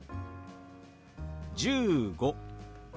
「１５」。